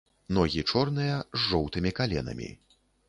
Ногі чорныя, з жоўтымі каленамі.